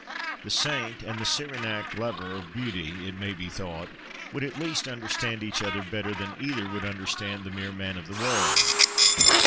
The saint, and the Cyrenaic lover of beauty, it may be thought, would at least understand each other better than either would understand the mere man of the world.